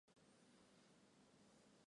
马尔尼莱孔皮耶尼。